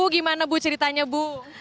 gimana bu ceritanya bu